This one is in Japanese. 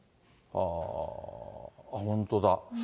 本当だ。